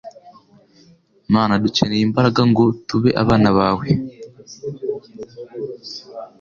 mana dukeneye imbaraga ngo tube abana bawe